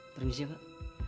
terus aja pak